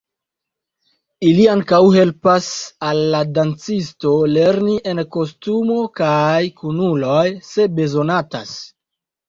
Ili ankaŭ helpas al la dancisto lerni en kostumo kaj kun kunuloj, se bezonatas.